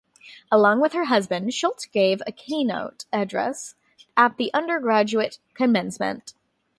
Along with her husband, Schultz gave a keynote address at the undergraduate commencement.